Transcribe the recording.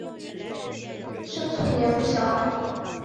生卒年不详。